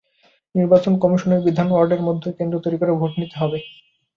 নির্বাচন কমিশনের বিধান, ওয়ার্ডের মধ্যেই কেন্দ্র তৈরি করে ভোট নিতে হবে।